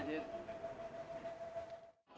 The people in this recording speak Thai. สวัสดีครับ